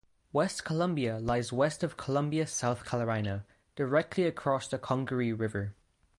West Columbia lies west of Columbia, South Carolina, directly across the Congaree River.